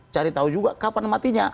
cari tahu juga kapan matinya